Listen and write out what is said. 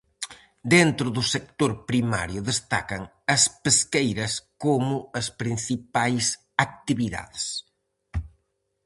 Dentro do sector primario destacan as pesqueiras como as principais actividades.